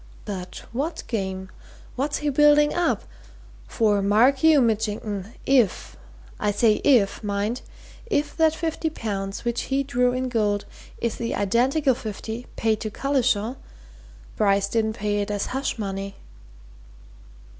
"But what game? What's he building up? For mark you, Mitchington, if I say if, mind! if that fifty pounds which he drew in gold is the identical fifty paid to Collishaw, Bryce didn't pay it as hush money!"